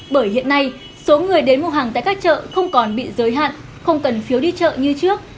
bởi hiện nay số người đến mua hàng tại các chợ không còn bị giới hạn không cần phiếu đi chợ như trước